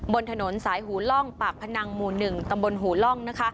บนถนนสายหูล่องปากพนังหมู่๑ตำบลหูล่อง